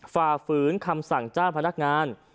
ฝ่าฝืนคำสั่งเจ้าพนักงาน